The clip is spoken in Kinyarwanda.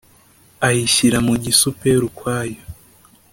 ayishyira mu gisuperi ukwayo ,